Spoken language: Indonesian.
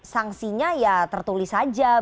sangsinya ya tertulis aja